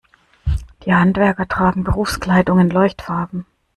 Die Handwerker tragen Berufskleidung in Leuchtfarben.